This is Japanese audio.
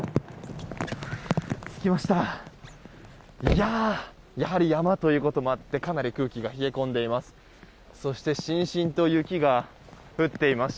やはり山ということもあってかなり空気が冷え込んでいます。